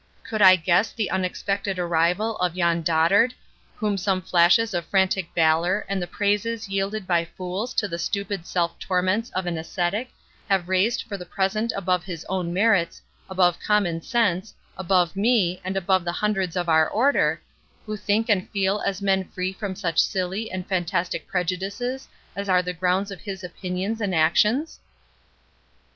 —Could I guess the unexpected arrival of yon dotard, whom some flashes of frantic valour, and the praises yielded by fools to the stupid self torments of an ascetic, have raised for the present above his own merits, above common sense, above me, and above the hundreds of our Order, who think and feel as men free from such silly and fantastic prejudices as are the grounds of his opinions and actions?"